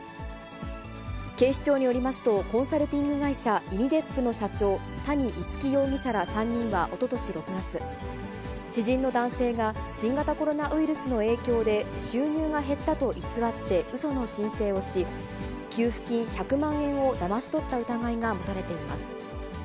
警視庁によりますと、コンサルティング会社、イニデップの社長、谷逸輝容疑者ら３人はおととし６月、知人の男性が新型コロナウイルスの影響で収入が減ったと偽ってうその申請をし、給付金１００万円をだまし取った疑いが持たれています。